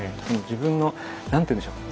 自分の何て言うんでしょう。